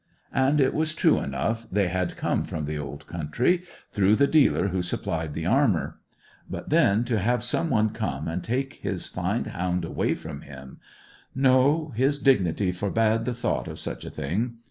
And it was true enough they had come from the Old Country; through the dealer who supplied the armour. But then to have some one come and take his fine hound away from him no, his dignity forbade the thought of such a thing.